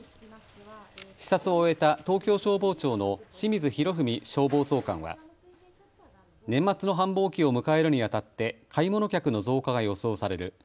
視察を終えた東京消防庁の清水洋文消防総監は年末の繁忙期を迎えるにあたって買い物客の増加が予想される。